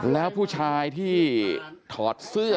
แล้วผู้ชายที่ถอดเสื้อ